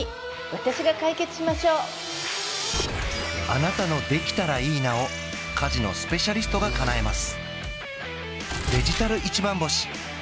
私が解決しましょうあなたの「できたらいいな」を家事のスペシャリストがかなえます